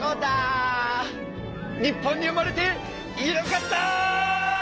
日本に生まれてよかった！